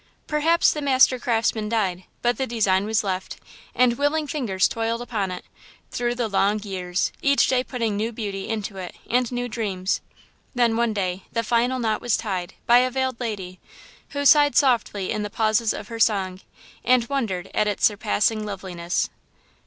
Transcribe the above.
"Perhaps the Master Craftsman died, but the design was left, and willing fingers toiled upon it, through the long years, each day putting new beauty into it and new dreams. Then, one day, the final knot was tied, by a Veiled Lady, who sighed softly in the pauses of her song, and wondered at its surpassing loveliness."